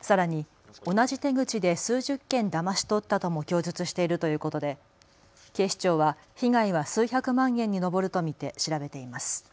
さらに同じ手口で数十件だまし取ったとも供述しているということで警視庁は被害は数百万円に上ると見て調べています。